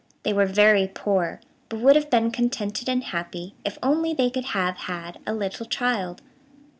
They were very poor, but would have been contented and happy if only they could have had a little child.